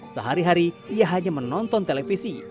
sehari hari ia hanya menonton televisi